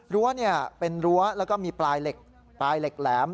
รั้วเป็นรั้วแล้วก็มีปลายเหล็กแหลม